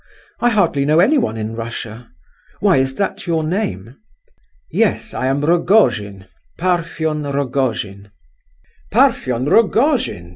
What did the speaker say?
I hardly know anyone in Russia. Why, is that your name?" "Yes, I am Rogojin, Parfen Rogojin." "Parfen Rogojin?